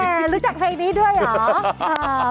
รู้จักเพลงนี้ด้วยเหรอ